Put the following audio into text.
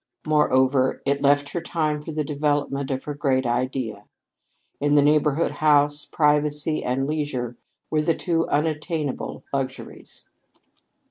Moreover, it left her time for the development of her great Idea. In a neighborhood house privacy and leisure were the two unattainable luxuries.